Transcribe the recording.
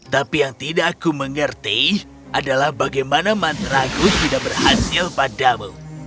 tapi yang tidak aku mengerti adalah bagaimana mantraku tidak berhasil padamu